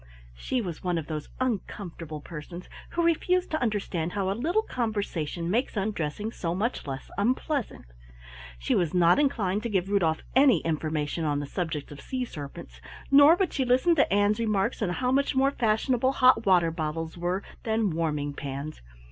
She was one of those uncomfortable persons who refuse to understand how a little conversation makes undressing so much less unpleasant. She was not inclined to give Rudolf any information on the subject of sea serpents, nor would she listen to Ann's remarks on how much more fashionable hot water bottles were than warming pans.